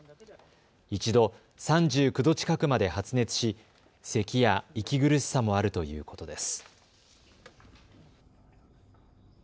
一度３９度近くまで発熱しせきや息苦しさもあるということです。